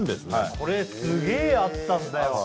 これすげえあったんだよ